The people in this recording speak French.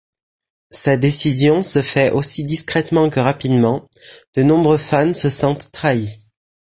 Sa décision se fait aussi discrètement que rapidement, de nombreux fans se sentent trahis.